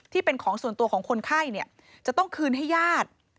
ที่เป็นของส่วนตัวของคนไข้จะต้องคืนให้ญาติ